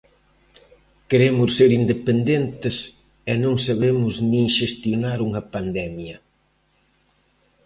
Queremos ser independentes e non sabemos nin xestionar unha pandemia.